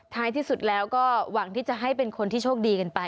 ที่สุดแล้วก็หวังที่จะให้เป็นคนที่โชคดีกันไป